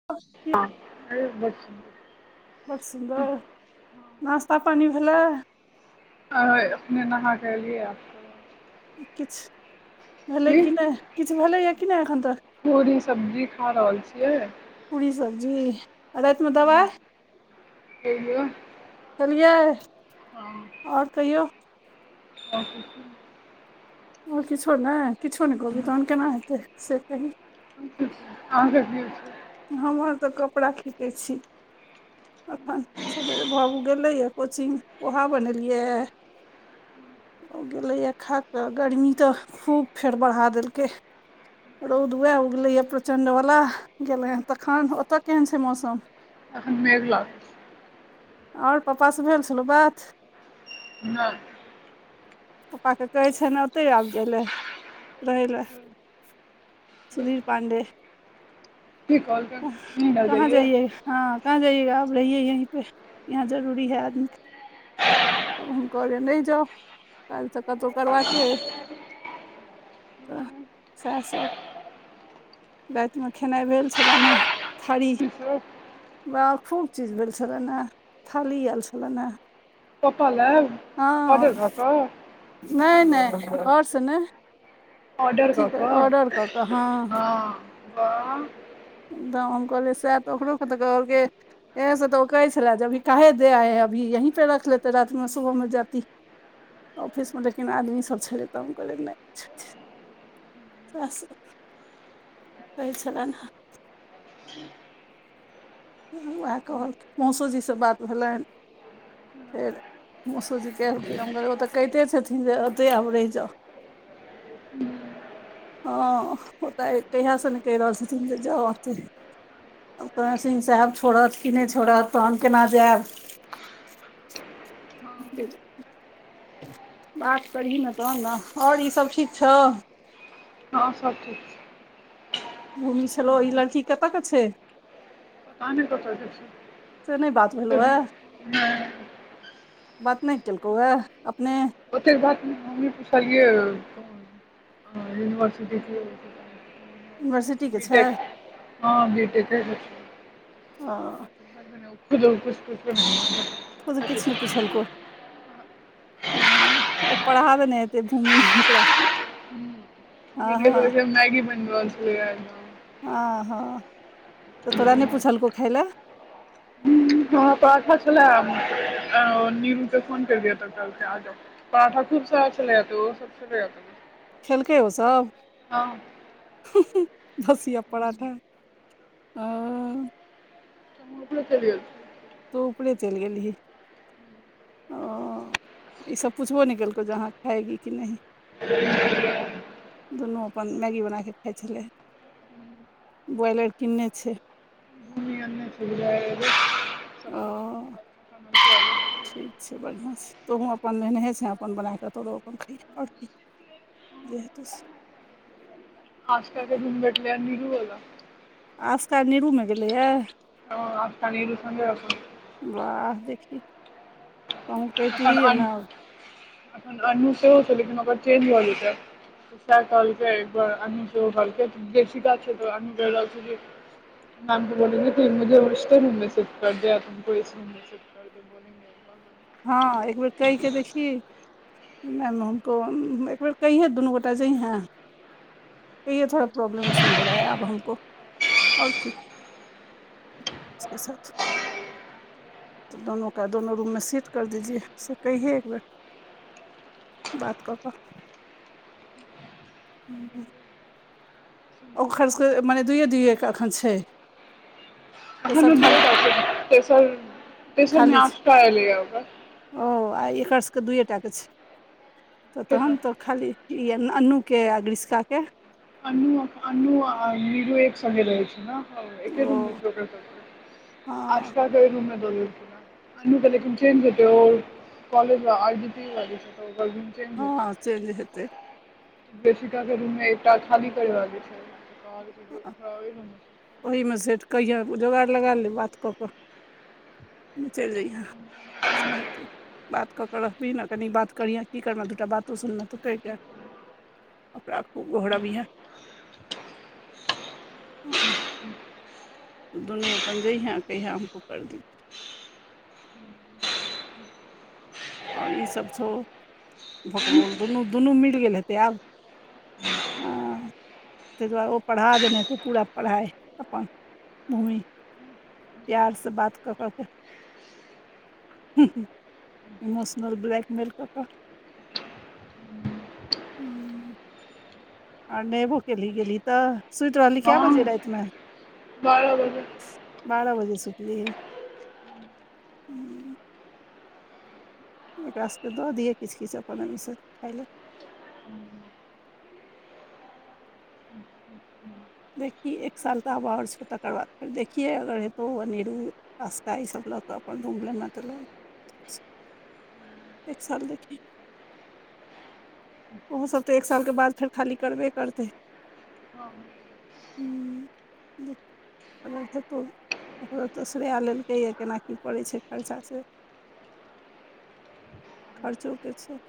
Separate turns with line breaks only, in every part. [inaudible]
बड़ सुन्दर, [inaudible] नाश्ता पानी भेलै।
है अखने नहाके एलियैए।
किछ [inaudible] भेलै
की
कि नै, किछ भेलै या कि नै एखन तक।
पूरी सब्जी खा रहल छियै।
पूरी सब्जी आ रातिमे दबाइ। [unintelligible]
तैयो। [unintelligible]
खेलियै आओर कहियौ। [unintelligible]
आओर किछो नै। [inaudible]
आओर किछो नहि किछो नहि कहबि तहन केना हेतै से कही। [unintelligible]
अहाँके कि होइ छै। [unintelligible]
हम आर तऽ कपड़ा खीचै छी। [unintelligible] अखन सबेरे बाबू गेलै या कोचिंग, पोहा बनेलियै। [unintelligible] ओ गेलैए खा कऽ गर्मी तऽ खूब फेर बढ़ा देलकै। [unintelligible] रौद वएह उगलै या प्रचंडवला। [unintelligible] गेलै हँ तखन ओतऽ केहन छै मौसम। [unintelligible]
अखन मेघ लागल। [unintelligible]
आओर पप्पा से भेल छलो बात। [unintelligible]
नहि। [unintelligible]
[unintelligible] पप्पाके कहै छनि, ओतहि आब जाय लेल रहै लेल। सुधीर पांडे। [unintelligible]
की कहलकै नीन्द आबि
कहाँ जाइए। [unintelligible] हँ कहाँ जाइएगा आप रहियए यही पे यहाँ जरूरी है आदमीे। [unintelligible] तब हम कहलियनि, नहि जाउ, काज तऽ कतौ करबाके अइ। तऽ सएह सब रातिमे। [unintelligible] खेनाइ भेल छलनि हेँ थारी। [unintelligible]
हूँ। [unintelligible]
बा खूब चीज भेल छलनि, थाली एल छलनि हेँ।
पप्पा लेए
हँ
ऑर्डर भऽ कऽ। [unintelligible]
नहि नहि घर से नहि। [unintelligible]
ऑर्डर
अथी
कऽ कऽ
ऑर्डर कऽ
हँ बाह। [unintelligible]
एकदम हम कहलियै सएह तऽ ओकरके त कहलकै। [unintelligible] एँ, से तऽ ओ कहै छलै जे अभी काहे दे आए, अभी यहीं पे रखि लेते, रातिमे सुबहमे जाइत। ऑफिसमे लेकिन आदमीसभ छलै तऽ हम कहलिय नै। [unintelligible] सेह सब। [unintelligible] कहै छलनि हे। [unintelligible] उएह कहलखिन, मौसोजीसँ बात भेलनि। फेर मौसोजी कहलखिन, हम कहलियै, ओतऽ कहिते छथिन जे ओतै आब रहि जाउ। [unintelligible] हँ, ओ तऽ कहिया सँ ने कहि रहल छथिन जे जाउ, आब चलि। हम कहलियनि, सिंह साहेब छोड़त कि नहि छोड़त, तहन केना जायब। [unintelligible] बात करही न तहन न आओर ईसभ ठीक छौ। [unintelligible]
हँ सब ठीक छै। [unintelligible]
भूमी छलो ई लड़की कतऽ के छै। [unintelligible]
पता नहि कतऽ गेल छै
से नहि बात
से
भेलोए। [unintelligible]
नहि
बात नहि केलकोए अपने। [unintelligible]
ओतेक बात नहि हम पुछलियै यूनिवर्सिटी [unintelligible]
युनिवर्सिटी के
बी टेक
छैय‌।
हँ बी टेके
ओंऽ
खुदे ऊ पूछते से नाइ हयात
ओ त किछु नहि पुछल को नै ओ पढ़ा देने हेतै भूमि ओकरा
[unintelligible]
हँ हँ
मैगी बनब ऐल छलिये
ह हँ तऽ तोरा नहि पूछलको खैला
ह त अच्छा छलै अओ नीरू के फोन केलिए तऽ कहलकै आ जाओ पराठा खूब सारा छलेए, तऽ ओहो सब छलेए तऽ।
खेलकै ओ सब हुं हुं भसिया पड़ाठा आ
हमहु ऊपरे‌ चेल गेल। छलियै
तोऽ ऊपरे चलि गेलहि। ओ ई सब पुछबो नहि केलकौ जे अहाँ खाऐगी कि नहि।
[unintelligible]
दुनू अपन मैगी बना कऽ खाइ छलै। ब्रॉयलेट कीन्ने छैय।
[unintelligible]
ओ
सबकिछु
ठीक छै बढ़िआँ छै तोहूँ अपन एनहे छै। अपन बना कऽ तोरो अपन खइह आर कि जे हतो से
आस्था के रूम भटलै निरू बला
आस्था नीरूमे गेलैए
ह आस्था नीरू संगे अपन
बाह देखि कनि कहितही नऽ
अखन अन्नु सेहो छै। लेकिन ओकर चेंज भऽ जेतैय। से कहलकै अन्नु सेहो कहलकै [unintelligible] मैम के बतैलकै मुझे इस रूम में सेट कर दिया तुमको इस रूम में सेट [inaudible]
ह एक बेर कहि के देखि। कि मैम हमको एक बेर कहहि है दुनू गोटा जइहै। कइहै थोरा प्रॉब्लम उसमे हो रहा है अब हमको ओर ठीक इसके साथ दुनू के दुनू रूम मे सीट कर दीजिय से कइहै एक बेर बात कऽ कऽ हु ओखर सके मने दुइए दुइएके अखन छैय।
[unintelligible] तेसर तेसरमे
खाली छै
आठ टा एले यै ओकर
ओ आ एकर सबके दुए टा के छै तऽ तहन तऽ खाली ई अन अन्नूके आ ग्रिस्का के
अन्नु अन्नु आ नीरू एक संगे रहै छै नऽ हँ एके
ओ
रूम में छय ओकरा सब के
हँ
आस्था के रूममे दुनू अन्नु तऽ लेकिन चइल जैते ओ कॉलेज में आइ जी टी लागए छै। तऽ चैल जैते
हँ चेंज हेतै
जसिका के रूम में एकटा खाली करेबा के छैए। कहलकै [unintelligible]
ओहिमे सेट कहिये जोगाड़ लगा ले बात कऽ कऽ तु चलि जइहे सेह तऽ बात कऽ के रहबही ने कनि बात करिहे की करबै दूटा बातो सुनबेऽ तऽ कहि कऽ ओकरा खूब गोहरबिहे दुनू अपन जइहे कयहे हमको कर दतै ओर ईसब छौ भकलोल दुनू दुनू मिल गेल हेतै आब अम्म तइ दुआर ओ पढ़ा देने हेते पूरा पढ़ाई अपन भूमि प्यार से बात कऽ कऽ केऽ इमोशनल ब्लैकमेेल कऽ कऽ आर नेहेबो केलिह गेलीह तऽ सुइत रहली काए बजे राइत
हँ
में
बारह बजे
बारह बजे सुतली एकरा स केऽ दऽ दियै किछ किछ अपन ओइमें से खाय ले। देखही एक साल तऽ आब और छौ तकर बाद फेर देखियै अगर हेतौ अनिरु आस्ता इ सब लऽ कऽ अपन रूम लेमे तऽ ल एक साल देखी उहो सब तऽ एक साल कऽ बाद फेर खाली करबे करतै।
हँ
हम्म, अगर खेतो ओकरो तऽ श्रेया लेलकै यऽ केना कीऽ पड़ै छैय खर्चा से खर्चोे केऽ छै।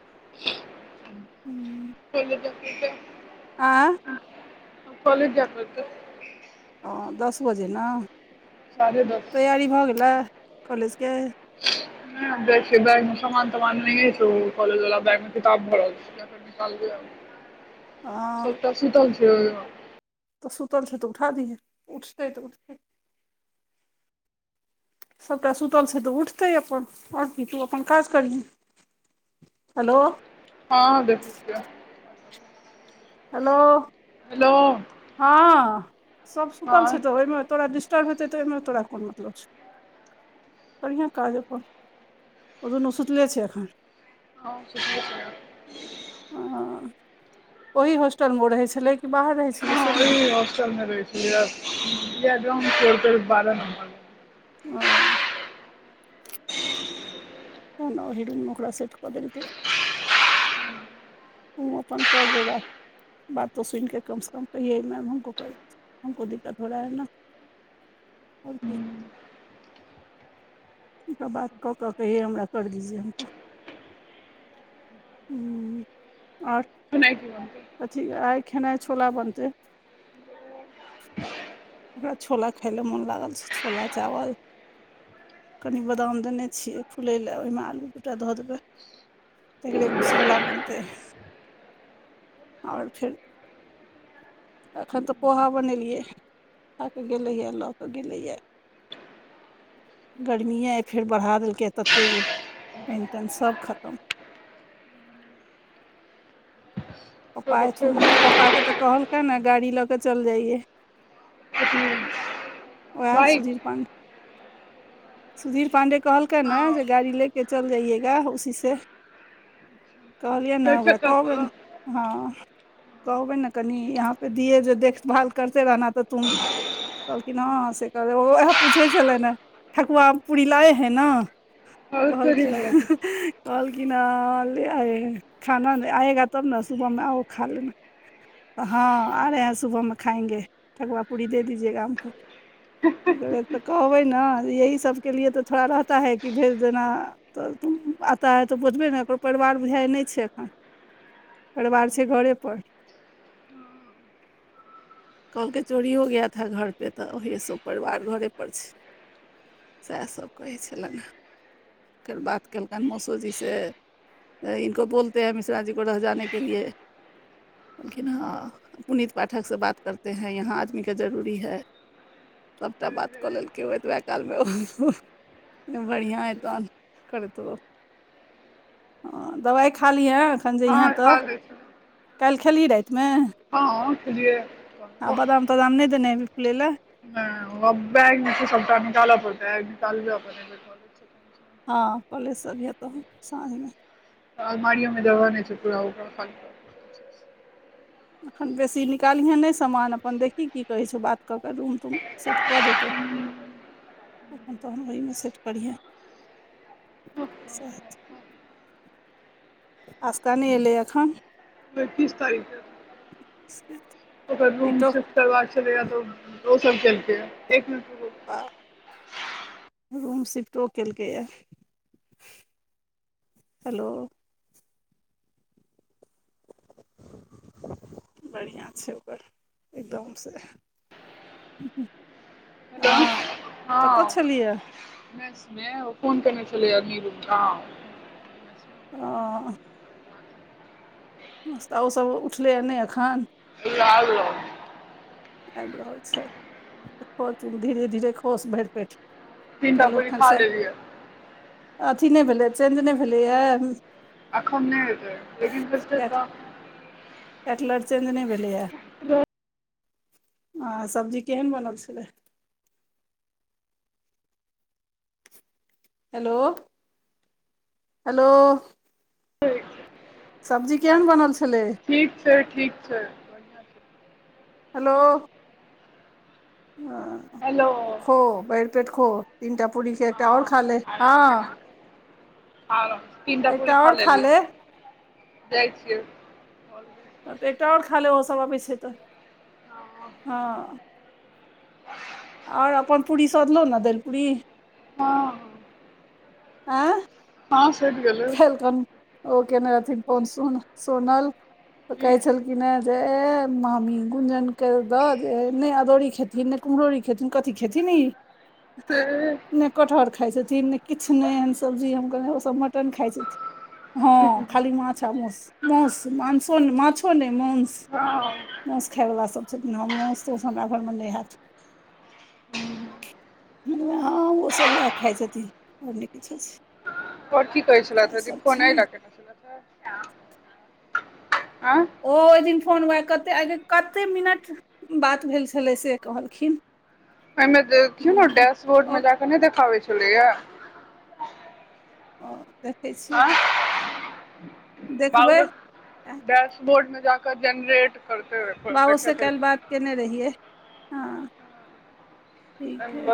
हम्म।
[unintelligible]
आँ
कॉलेज जय परतैय।
ओ दस बजे न
साढ़े दस
तैयारी भऽ गेलै कॉलेज केऽ
जाय छिये बैग में समान तमान नहिये छौ कॉलेज वला बैग में किताब भरल निकालबै आब
हँ
सबटा सुतल छै
तऽ सुतल छैे तऽ उठा दिहे उठतै तऽ उठतै सबटा सुतल छै तऽ उठतै अपन और की तू अपन काज करिहें हलो
हँ [inaudible]
हेलो
हेलो
हँ सब सुतल
हँ
छै तऽ ओयमे तोरा डिस्टर्ब हेतै तऽ ऐमे तोरा कोन मतलब छौ बढ़ियाँ काज अपन ओ दुनू सुतले छै अखन।
हँ सुतले छै।
अँ ओही होस्टल मे ओ रहै छलै की बाहर रहै छलै
हँ
से नहि
ओही होस्टल मे रहै छलैये, येह ड्राम फोरटल बारह नंबर
ओ तें न ओही रूम में ओकरा सेट कऽ देलकैये। उँ अपन कर दूगा बातो सुइन केऽ कम स कम कहियै मैम हमको कल हमको दिक्कत हो रहा है न। अब की तऽ बात कऽ केऽ कहियै हमरा कर दिजिये हमको उम्म और
सुनैय छी अहाँके
अथी आय खेनाय छोला बनतैय ओकरा छोला खायले मोन लागल छै छोला चावल कनि बदाम देने छियै फुलैले, ओयमें आलू दूटा धऽ देबै। [unintelligible] बला बनतै आर फेर ऐखन तऽ पोहा बनेलियै खाऽ कऽ गेलै ये लऽ कऽ गेलै ये। र्गमी ऐ आइ फेर बढ़ा देल के तते जे पइन तइन सब खतम
ओकर
पप्पा ऐथुन
पक्षे
पप्पा के तऽ कहलकन है गाड़ी लऽ कऽ चल जाइये।
अथी
ओहे
बाइक
सुधीर पाण्डे सुधीर पाण्डे कहलकन
हँ
है जे गाड़ी लेऽ के चल जाइयएगा उसी सै। कहलियन है
चारि
ओकरा
चक्का
कहबैन
सँ
हाँ कहबयन ना कनी यहाँपे दियै जे देखभाल करते रेहना तऽ तुम कहलखिन हाँ हाँ से कहबै ओ ओहे पुछय छलन है। ठकुआ और पूरी लाऐ है ना
बहुत चोरी
कहलखिन।
भऽ गेल
कहलकिन हां -हा ले आऐ खाना ना आएगा तब ना सुबहमे आउ खा लेना। हाँ आ रहे हैं सुबहमे खाएंगे ठकुआ पूरी दे दिजिएगा हमको गेलय तऽ कहबय ना यही सबके लिए तऽ थोड़ा रहता है कि भेज देना तऽ तू आता बुझबय ना ओकर परिवार बुझाइ ये नै छै एखन परिवार छय घरे पर कहलकै चोरी हो गया था घर पे तभीऐ सै परिवार घरे पर छय सैहसब कहैय छेलन है फेर बात केलकन मौसोजीसै। इनको बोलते है मिश्रा जी को रह जाने के लिए कहखिन हाँ पुनित पाठकसे बात करते हैं यहाँ आदमीका जरूरी है सबटा बात कऽ लेलकै ओ ओतवै कालमे बड़िया एत तहन करत रहो हा दबाइ खा लिहें एखन जहियै
हँ
तऽ
खा लै
काइल खेलहीन राइतमे
हाँ खेलियै कहलीयो तो
बदाम नैय देनेहेबहि फुलैले
नैय ओ बैंग में छै सबटा निकालाअ पड़तै अय निकालिय बनेबै त
हाँ कॉलेज से अभीय तहन साँझमे
अलमारियोमे जगह नैय छउ पुड़ा उपर तक
एखन बेसी निकालिहै नैय सामान अपन देखही की कहैय छौउ बात कऽ कऽ रूम सेट कऽ देतउ
हू
अपन तहन ओइमे सेट करिहै सैहेत। आसिका नै एलै अखन
नै तीस तारीकके
सीटो
आउत ओकर रूम छै केओ एल छलैया त ओ सब केलकयै एक मिनट रुकु
आ रूम शिफ्टो केलकैयै हेलो बड़ियाँ छै ओकर एकदमसै
हेलो
आ कतऽ छलिऐ
उनैस मे ओ फोन केने छलैये नीरू गांव
अ ह नस्ता ओ सब उठलैयै नैय ऐखन
इ आ [unintelligible]
आइब रहल छैत कर तु धीरे धीरे खोस भैर पेट
तीनटा
काइलो
पूरी खा
खनसै
लेलियै
अथी नैय भेलयै चेंज नैय भेलयै
एखन नैय हेतैय लेकिन पैसा तऽ
कैटलर चेंज नै भेलैये
रहै
आ सब्जी केहन बनल छलैय हेलो हेलो सब्जी केहन बनल छलै?
ठीक छै ठीक छै। बढ़िआँ छै
हेलो। हं।
हेलो।
खो भैर पेट खो, तीनटा पुरी छै
हँ
एकटा और खा ले, हाँ।
खाले, तीनटा पुरी
एकटा
खा
आओर
लेलियै,
ले
जाइ छियौ।
तऽ एकटा और खा ले ओहो सब अबै छै तऽ हाँ।
[inaudible]
और अपन पूरी सधलहो न दैल पुरी।
हाँ।
एं?
हँ सुति गेलै।
कैलखन ओ केने रहथिन फोन सो सोनल त
की
कहै छल खिन कि नहि दे ए मामी गुजन के दै दियौन वैह खेथिन ने। कुम्हरोरी खेथिन कथि खेतिन ई
से
ने कटहर खाइ छथिन ने किछु ने एहन सब्जी हम कहै ओ सभ नै तखैन खाइ छथिन हँ खाली माछ आ मौस। मांस मासो माछो नै मांस।
हां।
मासु खायवला सभ छथिन हँ मासु तुस हमरा घरमे नै हैत। हँ ओसभ उएह खाइत छथिन और नै किछो।
और की कहै छलैथ ओहि दिन
सभ
फोन अहि ले
छनि
केने छलैथ हे।
ओ ओहि दिन फोन वैह कतेक आइ कते मिनट बात भेल छलै से कहलखिन।
एहिमे देखियौ ने डैशबोर्ड
ओ
में जाके नहि देखाबै छलैये।
हां देखै छियै।
बाद
देखबै
मे डैशबोर्ड मे जाके जनरेट करतै।
बाबू से
देखेतै
काल्हि बात केने रहियै, हँ, ठीक अछि।